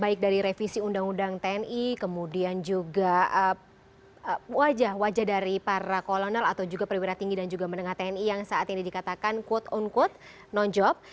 baik dari revisi undang undang tni kemudian juga wajah wajah dari para kolonel atau juga perwira tinggi dan juga menengah tni yang saat ini dikatakan quote unquote non job